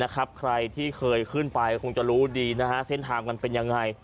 ใครที่เคยขึ้นไปคงจะรู้ดีเส้นทางมันเป็นยังไง